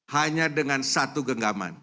hanya dengan satu genggaman